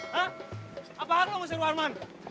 hah apaan lo ngusir warman